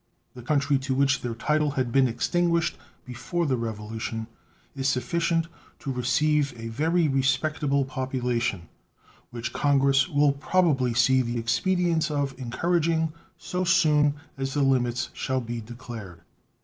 The country to which their title had been extinguished before the Revolution is sufficient to receive a very respectable population, which Congress will probably see the expediency of encouraging so soon as the limits shall be declared.